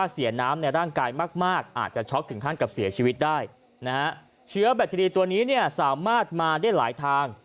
สถิติตัวนี้สามารถมาได้หลายทาง